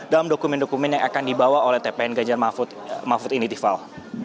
dalam dokumen dokumen yang akan dibawa oleh tpn ganjar mahfud ini dival